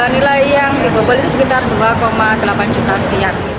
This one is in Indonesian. nilai yang dibobol itu sekitar dua delapan juta sekian